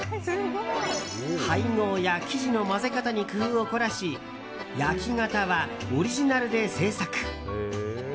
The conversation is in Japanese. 配合や生地の混ぜ方に工夫を凝らし焼き型はオリジナルで製作。